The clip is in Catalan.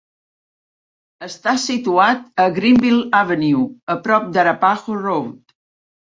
Està situat a Greenville Avenue, a prop d'Arapaho Road.